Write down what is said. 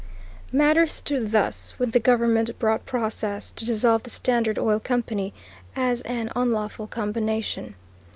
Matters stood thus when the government brought process to dissolve the Standard Oil Company, as an unlawful combination.